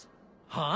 はあ？